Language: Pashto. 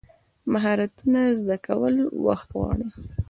مهارتونه زده کول وخت غواړي.